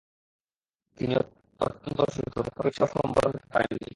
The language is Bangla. উনি অত্যন্ত অসুস্থ, তথাপি উৎসাহ সম্বরণ করতে পারেন নি।